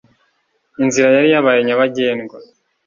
Inzira yari yabaye Nyabagendwa